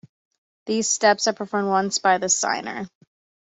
These steps are performed once by the signer.